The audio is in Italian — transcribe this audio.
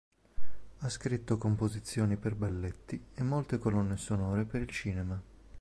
Ha scritto composizioni per balletti e molte colonne sonore per il cinema.